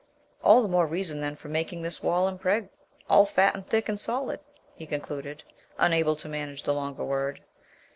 "All the more reason then for making this wall impreg all fat and thick and solid," he concluded, unable to manage the longer word.